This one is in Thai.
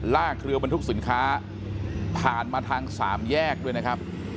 ลากเรือบรรทุกสินค้าผ่านมาทางสามแยกด้วยนะครับ